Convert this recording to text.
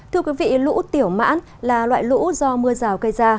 thưa quý vị lũ tiểu mãn là loại lũ do mưa rào cây ra